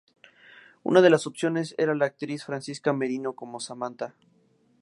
Una de las opciones era la actriz Francisca Merino como Samantha.